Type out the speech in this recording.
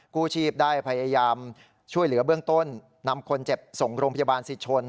กู้ชีพได้พยายามช่วยเหลือเบื้องต้นนำคนเจ็บส่งโรงพยาบาลสิทชน